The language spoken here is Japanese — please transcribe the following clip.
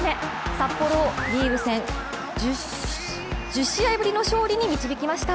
札幌をリーグ戦１０試合ぶりの勝利に導きました。